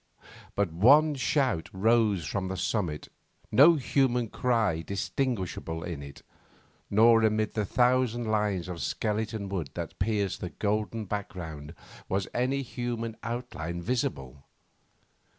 But one shout rose from the summit, no human cry distinguishable in it, nor amid the thousand lines of skeleton wood that pierced the golden background was any human outline visible.